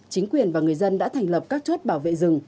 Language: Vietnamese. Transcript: chính quyền và người dân đã thành lập các chốt bảo vệ rừng